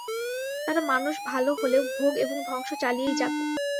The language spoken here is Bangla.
তারা ভালো মানুষ হলেও, ভোগ এবং ধ্বংস চালিয়েই যাবে।